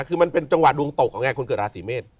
คือมันเป็นจังหวะดวงตกของไงคนเกิดราศีเมษ